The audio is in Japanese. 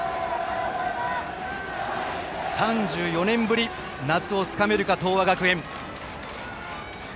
３４年ぶり、夏をつかめるか東亜学園。